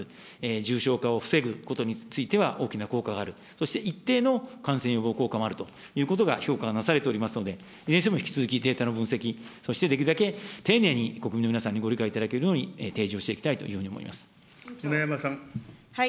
重症化を防ぐことについては、大きな効果がある、そして一定の感染予防効果もあるということが評価がなされておりますので、いずれにしても引き続きデータの分析、そしてできるだけ丁寧に国民の皆さんにご理解いただけるように、提示をしていき舟山さん。